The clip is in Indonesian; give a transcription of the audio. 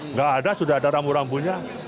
nggak ada sudah ada ramu ramunya